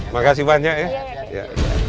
makasih banyak ya